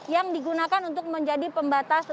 yang digunakan untuk menjadi pembatas